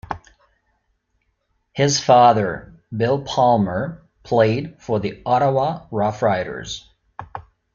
His father, Bill Palmer, played for the Ottawa Rough Riders.